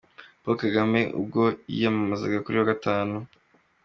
Perezida Paul Kagame ubwo yiyamamazaga kuri uyu wa Gatanu.